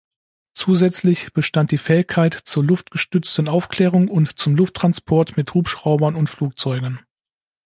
Zusätzlich bestand die Fähigkeit zur luftgestützten Aufklärung und zum Lufttransport mit Hubschraubern und Flugzeugen.